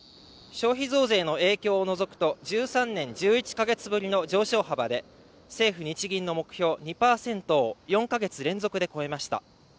消費増税の影響を除くと１３年１１か月ぶりの上昇幅で政府日銀の目標２％を４か月連続で超えました